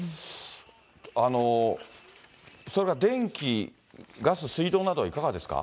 それから電気、ガス、水道などはいかがですか。